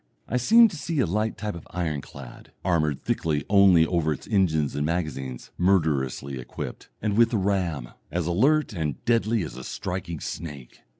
I seem to see a light type of ironclad, armoured thickly only over its engines and magazines, murderously equipped, and with a ram as alert and deadly as a striking snake.